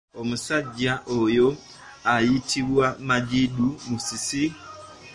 Omusajja oyo ayitibwa Magid Musisi.